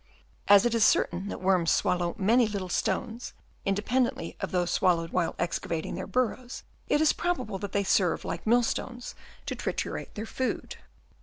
As it is certain that worms swal low many little stones, in dependently of those swal lowed while excavating their burrows, it is prob able that thev serve, like mill stones, to triturate their food.